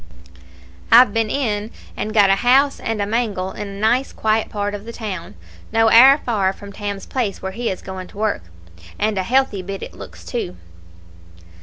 I've been in and got a house and a mangle in a nice quiet part of the town, no owre far from Tam's place where he is going to work, and a healthy bit it looks, too."